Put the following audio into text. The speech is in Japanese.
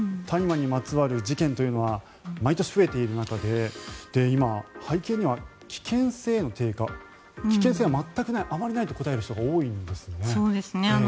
大麻にまつわる事件というのは毎年増えている中で今、背景には危険性への低下危険性は全くないあまりないと答える人が多いんですね。